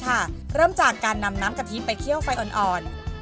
ตอนแรกกันเลยค่ะเริ่มจากการนำน้ำกะทิไปเคี่ยวไฟอ่อน